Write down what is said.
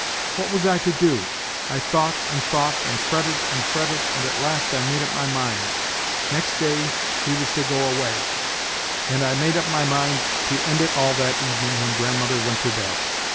" What was I to do ? Tjthjnnghtr nnd_thoughl and fretted and fretted, and at last I made up my mind. Next day he was to go WHITE NIGHTS 29 away, and I made up my mind to end it all that evening when grandmother went to bed.